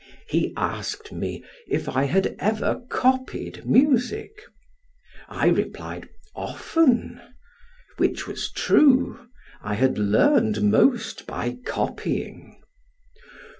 He asked me, If I had ever copied music? I replied, "Often," which was true: I had learned most by copying.